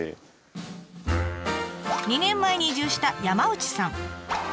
２年前に移住した山内さん。